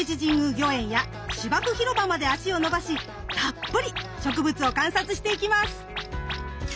御苑や芝生広場まで足を延ばしたっぷり植物を観察していきます。